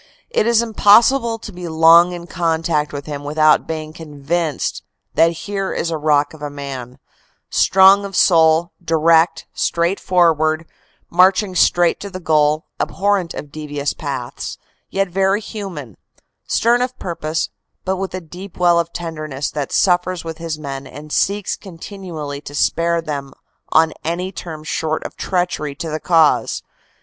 It is impossible to be long in contact with him without being con vinced that here is a rock of a man, strong of soul, direct, straightforward, marching straight to the goal, abhorrent of THE CORPS COMMANDER 297 devious paths, yet very human, stern of purpose but with a deep well of tenderness that suffers with his men and seeks continually to spare them on any terms short of treachery to the cause.